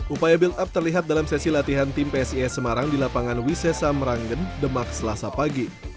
upaya build up terlihat dalam sesi latihan tim psis semarang di lapangan wisesa meranggen demak selasa pagi